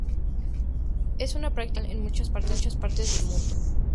Es una práctica normal en muchas partes del mundo.